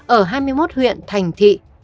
ở hai mươi một huyện thành thị